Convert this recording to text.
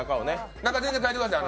中、全然変えてください。